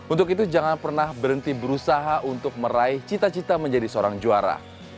untuk itu jangan pernah berhenti berusaha untuk meraih cita cita menjadi seorang juara